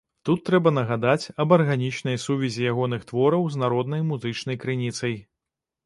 Тут трэба нагадаць аб арганічнай сувязі ягоных твораў з народнай музычнай крыніцай.